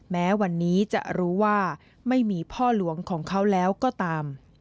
แม้วันนี้จะรู้ว่าไม่มีพ่อหลวงของเขาแล้วก็ตาม